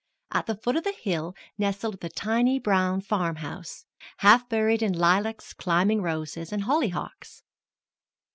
At the foot of the hill nestled the tiny brown farmhouse, half buried in lilacs, climbing roses, and hollyhocks.